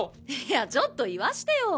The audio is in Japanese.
いやちょっと言わしてよ。